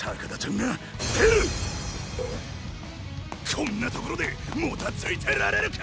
こんなところでもたついてられるか！